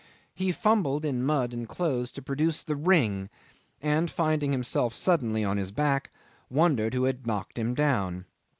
He fumbled in mud and clothes to produce the ring, and, finding himself suddenly on his back, wondered who had knocked him down.